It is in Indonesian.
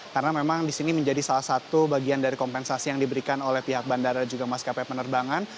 karena memang di sini menjadi salah satu bagian dari kompensasi yang diberikan oleh pihak bandara juga mas kp penerbangan